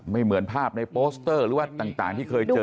เหมือนภาพในโปสเตอร์หรือว่าต่างที่เคยเจอ